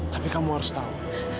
tapi kamu harus tahu